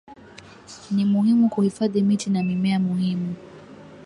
Ni muhimu kuhifadhi miti na mimea muhimu